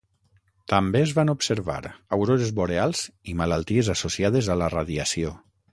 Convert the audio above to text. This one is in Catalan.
També es van observar aurores boreals i malalties associades a la radiació.